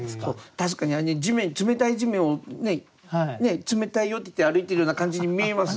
確かに冷たい地面を「冷たいよ」って言って歩いてるような感じに見えます。